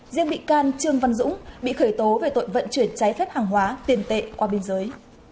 riêng bị can trương văn dũng bị khởi tố về tội vận chuyển trái phép hàng hóa tiền tệ qua biên giới